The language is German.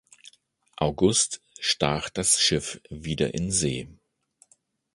August stach das Schiff wieder in See.